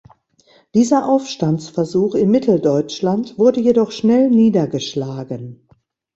Dieser Aufstandsversuch in Mitteldeutschland wurde jedoch schnell niedergeschlagen.